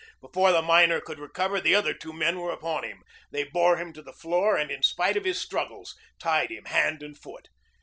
Before the miner could recover, the other two men were upon him. They bore him to the floor and in spite of his struggles tied him hand and foot.